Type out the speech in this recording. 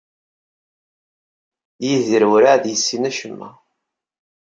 Yidir werɛad yessin acemma.